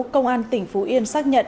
công an tỉnh phú yên xác nhận